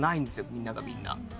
みんながみんな。